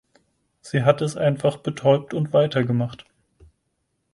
Sie hat es einfach betäubt und weiter gemacht.